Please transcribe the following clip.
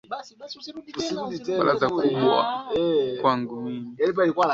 baraza kubwa kwangu mimi